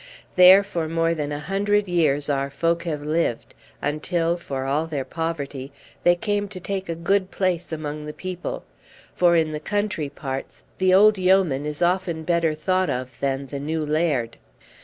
There for more than a hundred years our folk have lived, until, for all their poverty, they came to take a good place among the people; for in the country parts the old yeoman is often better thought of than the new laird.